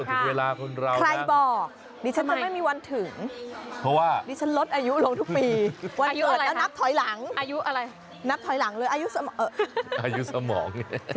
ใครบอก